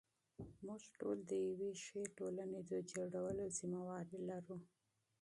موږ ټول د یوې ښې ټولنې د جوړولو مسوولیت لرو.